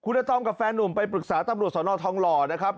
ผู้นักต้องกับแฟนหนุ่มไปปรึกษาต้ำรวจสอนอทองหล่อนะครับ